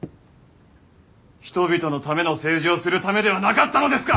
人々のための政治をするためではなかったのですか！？